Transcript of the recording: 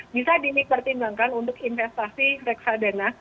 bisa dimik pertimbangkan untuk investasi reksadana